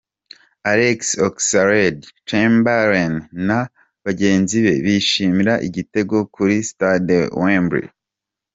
Alex Oxlade-Chamberlain na bagenzi be bishimira igitego kuri stade Wembley.